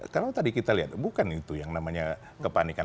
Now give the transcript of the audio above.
kalau tadi kita lihat bukan itu yang namanya kepanikan